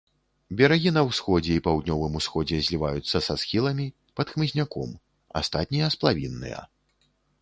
Берагі на ўсходзе і паўднёвым усходзе зліваюцца са схіламі, пад хмызняком, астатнія сплавінныя.